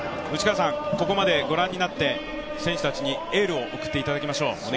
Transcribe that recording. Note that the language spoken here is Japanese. ここまでご覧になって、選手たちにエールを送っていただきましょう。